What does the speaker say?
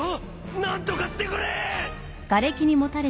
何とかしてくれぇ！！